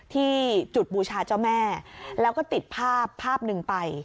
ที่จุดบูชาเจ้าแม่แล้วก็ติดภาพภาพหนึ่งไป